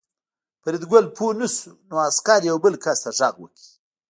فریدګل پوه نه شو نو عسکر یو بل کس ته غږ وکړ